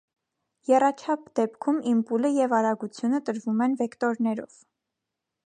Եռաչափ դեպքում իմպուլը և արագությունը տրվում են վեկտորներով։